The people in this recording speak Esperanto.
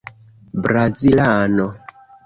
brazilano